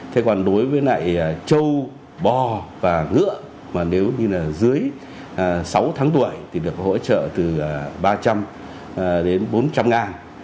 thế còn đối với lại trâu bò và ngựa mà nếu như là dưới sáu tháng tuổi thì được hỗ trợ từ ba trăm linh đến bốn trăm linh a